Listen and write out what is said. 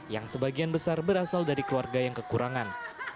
yang sebagian besar berasal dari keluarga yang kekurangan